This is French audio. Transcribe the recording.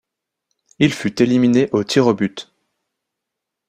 Il fut éliminé aux tirs aux buts.